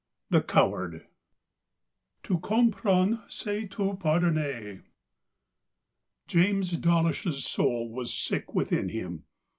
THE COWARD TOUT COMPRENDRE c'EST TOUT PARDONNER James Dawlish's soul was sick within him.